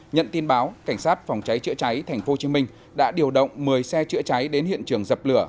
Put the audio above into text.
nhận tin báo cảnh sát phòng cháy chữa cháy tp hcm đã điều động một mươi xe chữa cháy đến hiện trường dập lửa